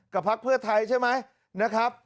พักเพื่อไทยใช่ไหมนะครับ